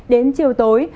đến chiều tối